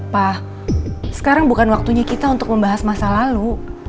pak sekarang bukan waktunya kita untuk membahas masa lalu